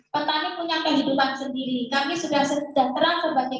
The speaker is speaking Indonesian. petani punya kehidupan sendiri